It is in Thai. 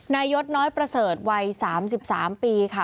ยศน้อยประเสริฐวัย๓๓ปีค่ะ